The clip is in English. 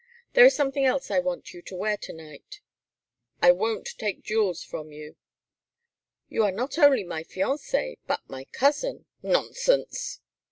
There is something else I want you to wear to night " "I won't take jewels from you " "You are not only my fiancée but my cousin " "Nonsense!"